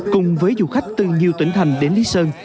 cùng với du khách từ nhiều tỉnh thành đến lý sơn